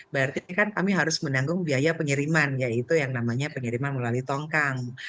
berarti kan kami harus menanggung biaya pengiriman yaitu yang namanya pengiriman melalui tongkang